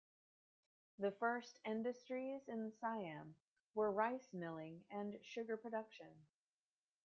The first industries in Siam were rice milling and sugar production.